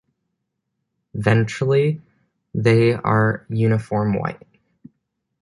Ventrally they are uniform white.